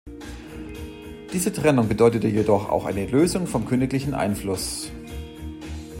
Diese Trennung bedeutete jedoch auch eine Lösung vom königlichen Einfluss.